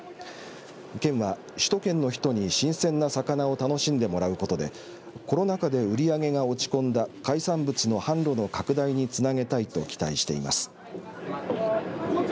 県は首都圏の人に新鮮な魚を楽しんでもらうことでコロナ禍で売り上げが落ち込んだ海産物の販路の拡大につなげたいと期待しています。